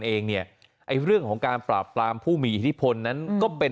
เองเนี่ยไอ้เรื่องของการปราบปรามผู้มีอิทธิพลนั้นก็เป็น